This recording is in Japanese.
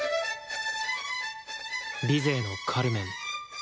ビゼーの「カルメン」。